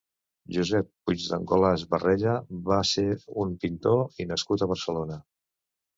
Josep Puigdengolas Barrella va ser un pintor l nascut a Barcelona.